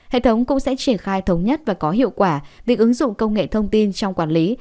hệ thống cũng sẽ triển khai thống nhất và có hiệu quả việc ứng dụng công nghệ thông tin trong quản lý